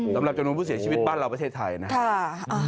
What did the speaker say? สำหรับจำนวนผู้เสียชีวิตบ้านเราประเทศไทยนะครับ